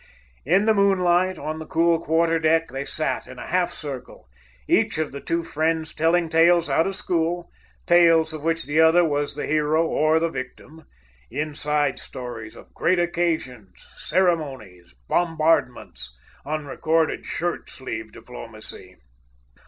In the moonlight, on the cool quarter deck, they sat, in a half circle, each of the two friends telling tales out of school, tales of which the other was the hero or the victim, "inside" stories of great occasions, ceremonies, bombardments, unrecorded "shirt sleeve" diplomacy.